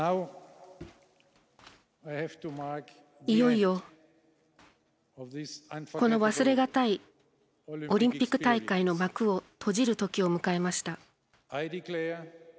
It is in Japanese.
いよいよ、この忘れがたいオリンピック大会の幕を閉じるときを迎えました。